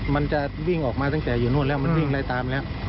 มันจะวิ่งออกมาตั้งแต่อยู่นู่นแล้วมันวิ่งไล่ตามแล้ว